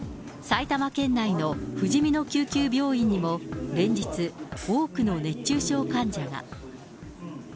埼玉県内のふじみの救急病院にも、連日、多くの熱中症患者が。